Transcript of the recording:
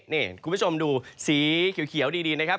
นี่คุณผู้ชมดูสีเขียวดีนะครับ